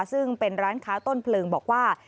ซึ่งเป็นร้านค้าต้นเพลิงบอกว่า